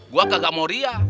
gua kagak mau riak